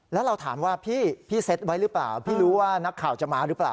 แล้วเราถามว่าพี่พี่เซ็ตไว้หรือเปล่าพี่รู้ว่านักข่าวจะมาหรือเปล่า